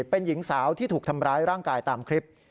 เป็นหญิงสาวที่ถูกทำร้ายร่างกายตามคลิป